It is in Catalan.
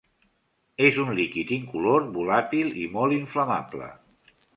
És un líquid incolor, volàtil i molt inflamable.